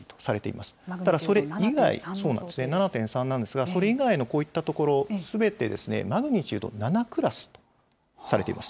マグニチュード７．３なんですが、それ以外のこういった所、すべてマグニチュード７クラスとされています。